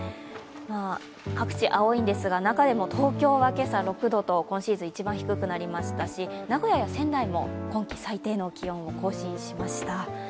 各地、青いんですが中でも東京は今朝６度と今シーズン１番低くなりましたし名古屋や仙台も今季最低の気温を更新しました。